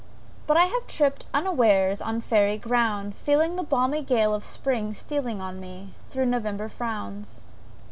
But, I have tripped unawares on fairy ground, feeling the balmy gale of spring stealing on me, though November frowns.